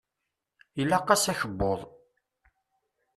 Ilaq-as akebbuḍ.